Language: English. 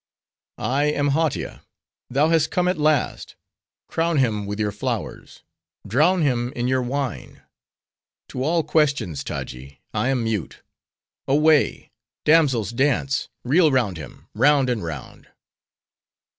"I am Hautia. Thou hast come at last. Crown him with your flowers! Drown him in your wine! To all questions, Taji! I am mute.—Away!— damsels dance; reel round him; round and round!"